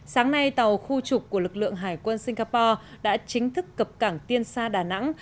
sáng nay tàu khu trục của lực lượng hải quân singapore đã chính thức cập cảng tiên xa đà nẵng